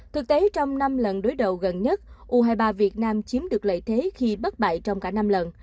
thực tế trong năm lần đối đầu gần nhất u hai mươi ba việt nam chiếm được lợi thế khi bất bại trong cả năm lần